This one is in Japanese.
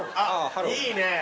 いいねぇ。